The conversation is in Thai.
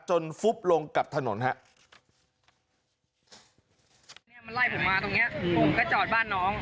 จนฟุบลงกลับถนนครับ